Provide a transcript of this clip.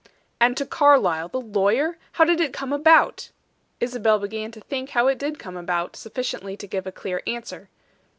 "And to Carlyle, the lawyer! How did it come about?" Isabel began to think how it did come about, sufficiently to give a clear answer.